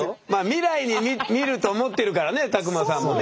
未来に見ると思ってるからね卓馬さんもね。